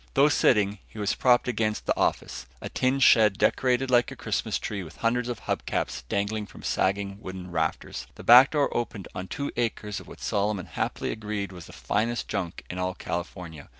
Though sitting, he was propped against the office; a tin shed decorated like a Christmas tree with hundreds of hub caps dangling from sagging wooden rafters. The back door opened on two acres of what Solomon happily agreed was the finest junk in all California.